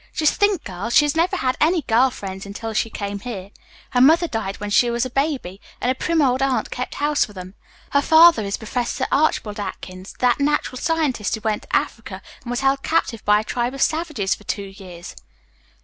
Just think, girls, she has never had any girl friends until she came here. Her mother died when she was a baby, and a prim old aunt kept house for them. Her father is Professor Archibald Atkins, that Natural Scientist who went to Africa and was held captive by a tribe of savages for two years.